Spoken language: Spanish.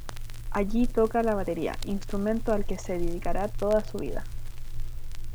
Allí toca la batería, instrumento al que se dedicará toda su vida.